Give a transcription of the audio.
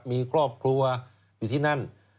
มีครอบครัวอยู่ที่นั่น